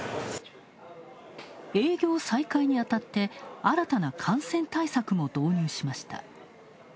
営業再開にあたって新たな感染対策も導入しました。